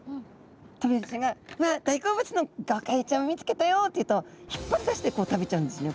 トビハゼちゃんが「わあっ大好物のゴカイちゃんを見つけたよ！」って言うと引っ張り出してこう食べちゃうんですね。